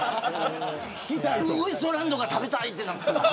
ウエストランドが食べたいとなっていた。